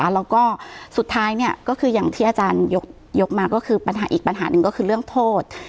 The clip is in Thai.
แล้วก็สุดท้ายก็คืออย่างที่อาจารยกมาก็คือปัญหาอีกปัญหาหนึ่งก็คือเรื่องโทษ